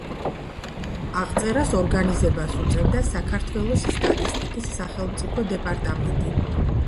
აღწერას ორგანიზებას უწევდა საქართველოს სტატისტიკის სახელმწიფო დეპარტამენტი.